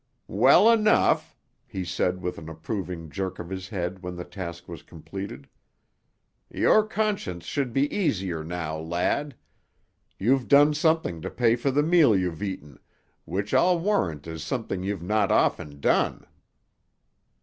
"Well enough," he said with an approving jerk of his head when the task was completed. "Your conscience should be easier now, lad; you've done something to pay for the meal you've eaten, which I'll warrant is something you've not often done."